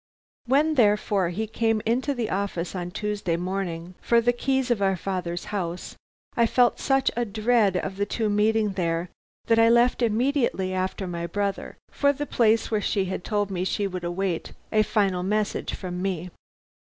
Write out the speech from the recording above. When therefore he came into the office on Tuesday morning for the keys of our father's house, I felt such a dread of the two meeting there, that I left immediately after my brother for the place where she had told me she would await a final message from me.